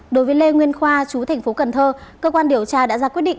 đối với lê nguyên khoa chú thành phố cần thơ cơ quan điều tra đã ra quyết định